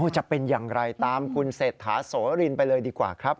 จะเป็นอย่างไรตามคุณเศรษฐาโสรินไปเลยดีกว่าครับ